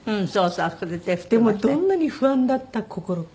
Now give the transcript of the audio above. でもどんなに不安だった心か。